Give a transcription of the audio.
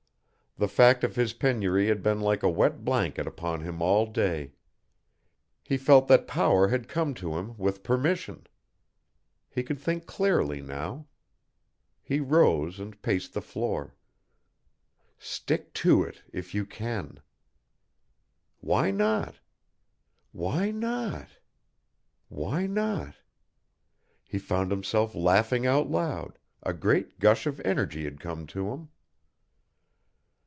The fact of his penury had been like a wet blanket upon him all day. He felt that power had come to him with permission. He could think clearly now. He rose and paced the floor. "Stick to it if you can." Why not why not why not? He found himself laughing out loud, a great gush of energy had come to him.